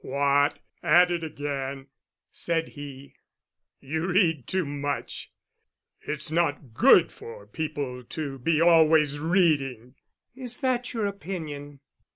"What, at it again?" said he. "You read too much; it's not good for people to be always reading." "Is that your opinion?"